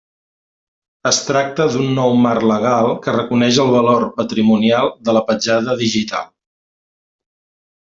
Es tracta d'un nou marc legal que reconeix el valor patrimonial de la petjada digital.